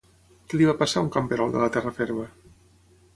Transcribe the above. Què li va passar a un camperol de la Terra Ferma?